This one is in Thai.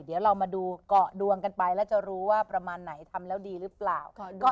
เดี๋ยวเรามาดูเกาะดวงกันไปแล้วจะรู้ว่าประมาณไหนทำแล้วดีหรือเปล่า